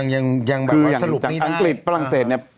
จากอังกฤษฝรั่งเศส